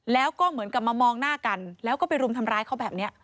แล้วก็เหมือนกับมามองหน้ากันแล้วก็ไปรุมทำร้ายเขาแบบนี้